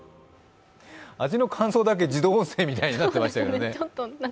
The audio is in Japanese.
味の感想だけ自動音声みたいになってましたよね。